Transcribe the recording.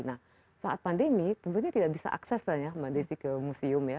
nah saat pandemi tentunya tidak bisa akses kan ya mbak desi ke museum ya